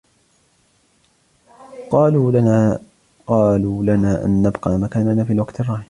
قالوا لنا أن نبقى مكاننا في الوقت الراهن.